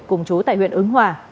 cùng chú tại huyện ứng hòa